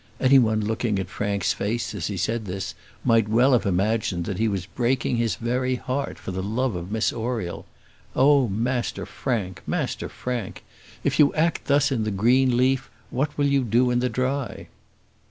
'" Anyone looking at Frank's face as he said this, might well have imagined that he was breaking his very heart for love of Miss Oriel. Oh, Master Frank! Master Frank! if you act thus in the green leaf, what will you do in the dry?